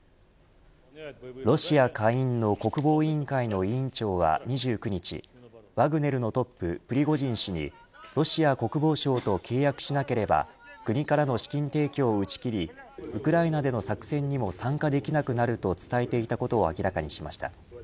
ロシア下院の国防委員会の委員長は２９日ワグネルのトッププリゴジン氏にロシア国防省と契約しなければ国からの資金提供を打ち切りウクライナでの作戦にも参加できなくなると伝えていたことを明らかにしました。